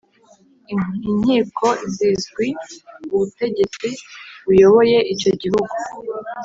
inkiko zizwi ubutegetsi buyoboye icyo gihugu